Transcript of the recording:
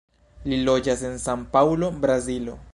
Li loĝas en San-Paŭlo, Brazilo.